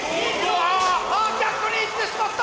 あ逆に行ってしまった！